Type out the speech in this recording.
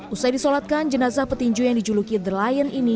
usai disolatkan jenazah petinju yang dijuluki the lion ini